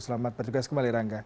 selamat berjugas kembali rangga